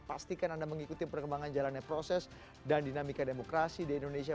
pastikan anda mengikuti perkembangan jalannya proses dan dinamika demokrasi di indonesia